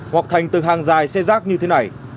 hoặc thành từ hàng dài xe rác như thế này